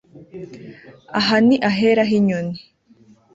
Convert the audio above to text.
Aha ni ahera hinyoni